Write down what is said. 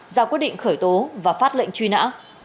ra quyết định khởi tố và phát lệnh truy nã